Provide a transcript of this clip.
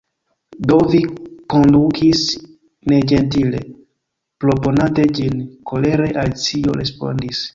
"Do vi kondutis neĝentile, proponante ĝin," kolere Alicio respondis.